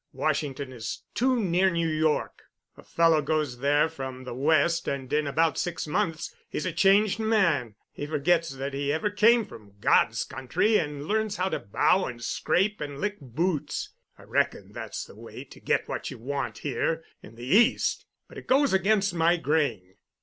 Washington is too near New York. A fellow goes there from the West and in about six months he's a changed man. He forgets that he ever came from God's country, and learns to bow and scrape and lick boots. I reckon that's the way to get what you want here in the East—but it goes against my grain."